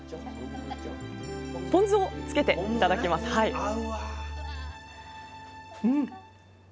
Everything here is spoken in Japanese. ポン酢をつけていただきますさあ